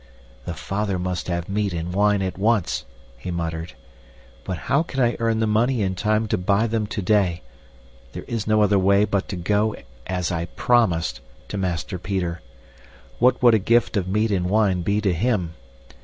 "The father must have meat and wine at once," he muttered, "but how can I earn the money in time to buy them today? There is no other way but to go, as I PROMISED, to Master Peter. What would a gift of meat and wine be to him?